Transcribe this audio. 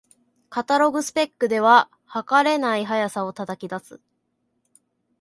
カタログスペックでは、はかれない速さを叩き出す